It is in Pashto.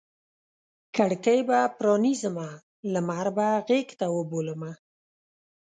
کړکۍ به پرانیزمه لمر به غیږته وبولمه